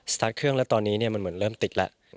ตาร์ทเครื่องแล้วตอนนี้มันเหมือนเริ่มติดแล้ว